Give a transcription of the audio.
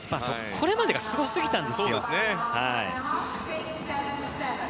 これまでがすごすぎたんですよ。